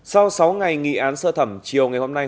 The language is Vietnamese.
sau sáu ngày nghị án sơ thẩm chiều ngày hôm nay